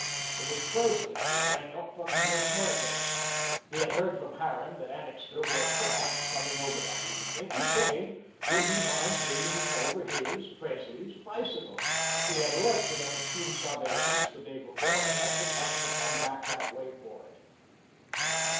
It was Presley, who rang up from Los Muertos. He had heard from Harran that Annixter was, perhaps, coming over that evening. If he came, would he mind bringing over his Presley's bicycle. He had left it at the Quien Sabe ranch the day before and had forgotten to come back that way for it.